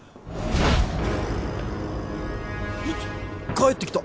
帰ってきた！